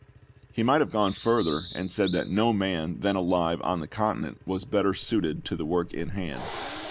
He might have gone further and said that no man then alive on the continent was better suited to the work in hand.